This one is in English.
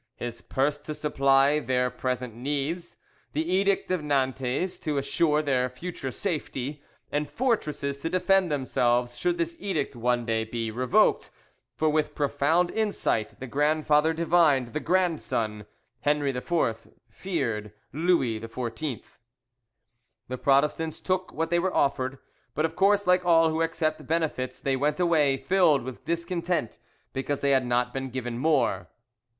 his purse to supply their present needs, the Edict of Nantes to assure their future safety, and fortresses to defend themselves should this edict one day be revoked, for with profound insight the grandfather divined the grandson: Henri IV feared Louis XIV. The Protestants took what they were offered, but of course like all who accept benefits they went away filled with discontent because they had not been given more.